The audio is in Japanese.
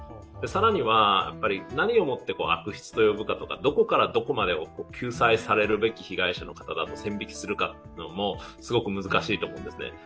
更には、何をもって悪質と呼ぶかとか、どこからどこまでを救済されるべき被害者の方だと線引きするかというのもすごく難しいと思うんですね。